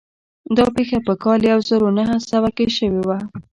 دا پېښه په کال يو زر و نهه سوه کې شوې وه.